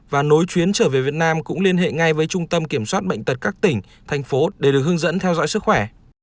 và nối chuyến trở về việt nam cũng liên hệ ngay với trung tâm kiểm soát bệnh tật các tỉnh thành phố để được hướng dẫn theo dõi sức khỏe